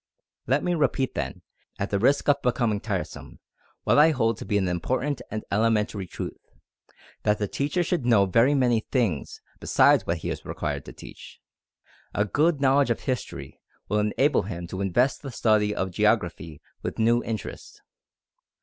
Let me repeat then, at the risk of becoming tiresome, what I hold to be an important and elementary truth, that the teacher should know very many things besides what he is required to teach. A good knowledge of history will enable him to invest the study of geography with new interest.